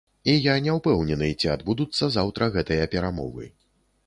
І я не ўпэўнены, ці адбудуцца заўтра гэтыя перамовы.